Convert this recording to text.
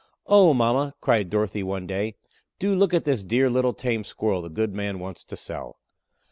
"Oh, mama," cried Dorothy one day, "do look at this dear little tame Squirrel the good man wants to sell.